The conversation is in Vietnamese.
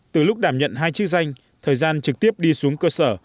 từ lúc đảm nhận hai chức danh thời gian trực tiếp đi xuống cơ sở